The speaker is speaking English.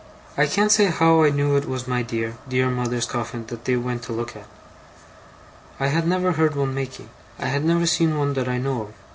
I can't say how I knew it was my dear, dear mother's coffin that they went to look at. I had never heard one making; I had never seen one that I know of.